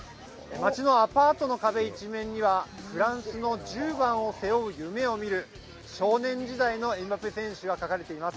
街のアパートの壁一面にはフランスの１０番を背負う夢を見る少年時代のエムバペ選手が描かれています。